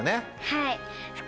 はい。